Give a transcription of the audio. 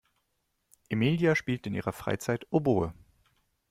Emilia spielt in ihrer Freizeit Oboe.